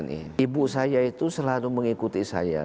ini ibu saya itu selalu mengikuti saya